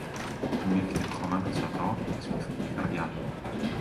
Θυμήθηκε το χαμένο θησαυρό και σφίχθηκε η καρδιά του.